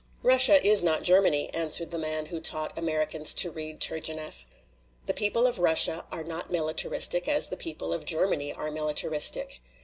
"Russia is not Germany," answered the man who taught Americans to read Turgenieff. "The people of Russia are not militaristic as the people of Germany are militaristic.